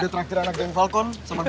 udah terakhir anak desu falcon sama gue